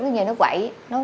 thì nó quậy